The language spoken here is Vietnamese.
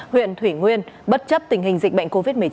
huyện thủy nguyên bất chấp tình hình dịch bệnh covid một mươi chín